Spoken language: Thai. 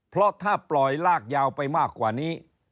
เพราะถ้าปล่อยลากยาวไปมากกว่านี้